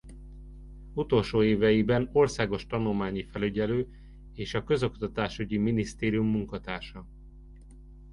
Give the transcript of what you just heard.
Utolsó éveiben országos tanulmányi felügyelő és a Közoktatásügyi Minisztérium munkatársa.